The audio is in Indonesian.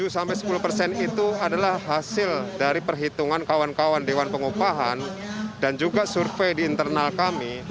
tujuh sampai sepuluh persen itu adalah hasil dari perhitungan kawan kawan dewan pengupahan dan juga survei di internal kami